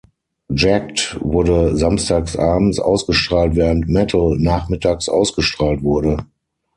„Jakked“ wurde samstagabends ausgestrahlt, während „Metal“ nachmittags ausgestrahlt wurde.